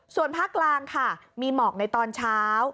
ส่วนภาคกลางค่ะมีหมอกในตอนเช้า